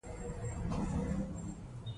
د قانون حاکمیت د ټولنې د نظم او عدالت تضمین دی